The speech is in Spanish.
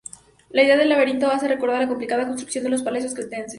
La idea del laberinto hace recordar la complicada construcción de los palacios cretenses.